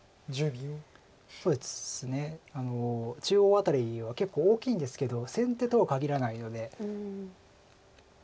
そうですね中央辺りは結構大きいんですけど先手とはかぎらないので。